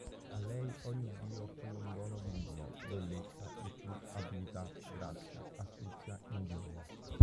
A lei ogni dio offrì un dono divino: bellezza, virtù, abilità, grazia, astuzia, ingegno.